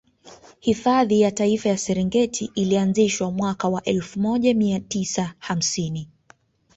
Hifadhi ya Taifa ya Serengeti ilianzishwa mwaka wa elfu moja mia tisa hamsini